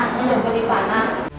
untuk beli panah